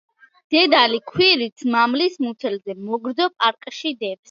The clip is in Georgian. დედალი ქვირითს მამლის მუცელზე მოგრძო პარკში დებს.